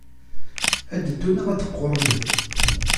Ad d-teddu, neɣ ad d-teqqurmeḍ!